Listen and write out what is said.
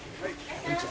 こんにちは。